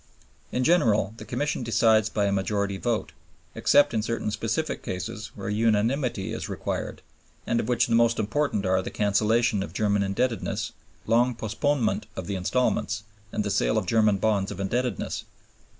In general the Commission decides by a majority vote, except in certain specific cases where unanimity is required, of which the most important are the cancellation of German indebtedness, long postponement of the instalments, and the sale of German bonds of indebtedness.